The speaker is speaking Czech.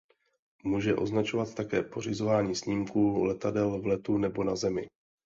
Může označovat také pořizování snímků letadel v letu nebo na zemi.